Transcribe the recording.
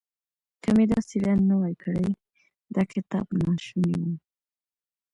که مې دا څېړنه نه وای کړې دا کتاب ناشونی و.